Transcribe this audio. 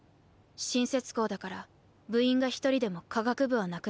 新設校だから部員が一人でも科学部はなくならない。